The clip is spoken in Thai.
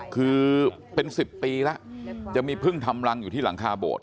คือเป็น๑๐ปีแล้วจะมีพึ่งทำรังอยู่ที่หลังคาโบด